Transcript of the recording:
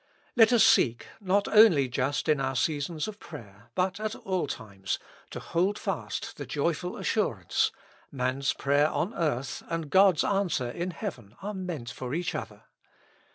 Let us seek, not only just in our seasons of prayer, but at all times, to hold fast the joyful assurance : man's prayer on earth and God's answer in heaven are meant for each other.